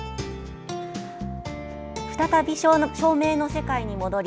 再び照明の世界に戻り